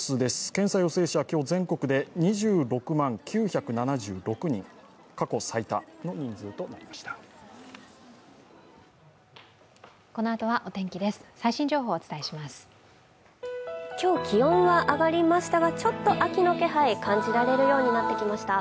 検査陽性者、今日全国で２６万９７６人、過去最多の人数となりました。